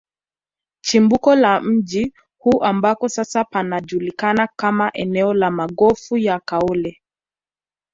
Chimbuko la mji huu ambako sasa panajulikana kama eneo la magofu ya Kaole